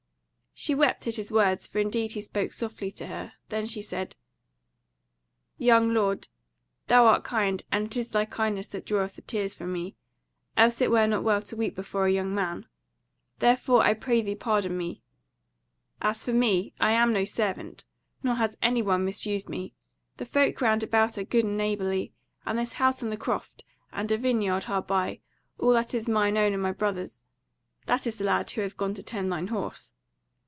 She wept at his words, for indeed he spoke softly to her; then she said: "Young lord, thou art kind, and it is thy kindness that draweth the tears from me; else it were not well to weep before a young man: therefore I pray thee pardon me. As for me, I am no servant, nor has any one misused me: the folk round about are good and neighbourly; and this house and the croft, and a vineyard hard by, all that is mine own and my brother's; that is the lad who hath gone to tend thine horse.